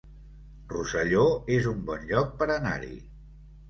Rosselló es un bon lloc per anar-hi